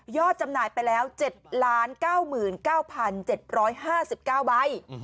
ยอดจำหน่ายไปแล้ว๗ล้าน๙๙๗๕๙ใบ